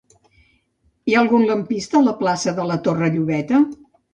Hi ha algun lampista a la plaça de la Torre Llobeta?